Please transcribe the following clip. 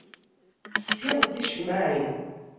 Ssiɣet ticemmaɛin.